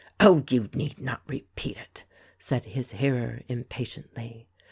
"Oh, you need not repeat it !" said his hearer impatiently.